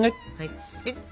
はい！